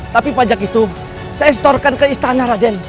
tapi pajak itu saya setorkan ke istana raden